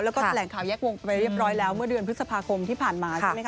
แล้วก็แหล่งคาเย็กวงไปเรียบร้อยแล้วเมื่อเดือนพฤษภาคมที่ผ่านมา